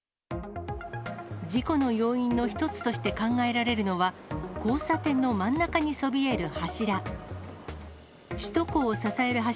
事故の要因の一つとして考えられるのは、交差点の真ん中にそびえる柱。